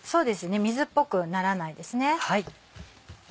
水っぽくならないですね。